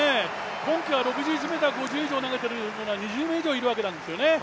今季は６１ｍ５０以上投げているのが、２０人以上いるわけなんですよね。